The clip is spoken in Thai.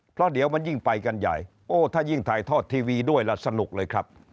เพราะเดี๋ยวมันยิ่งไปกันใหญ่โอ้ถ้ายิ่งถ่ายทอดทีวีด้วยแล้วสนุกเลยครับ